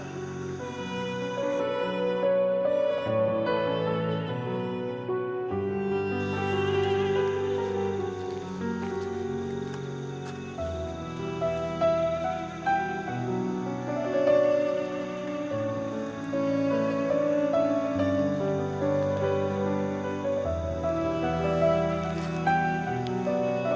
hidupnya tidak sesuai dengan nyaremu